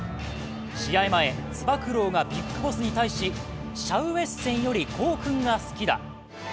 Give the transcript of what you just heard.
試合前、つば九郎がＢＩＧＢＯＳＳに対し「シャウエッセンより香薫が好きだ」